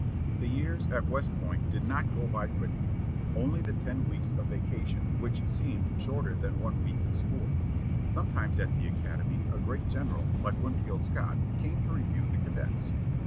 The years at West Point did not go by quickly; only the ten weeks of vacation which seemed shorter than one week in school. Sometimes at the academy a great general, like Winfield Scott, came to review the cadets.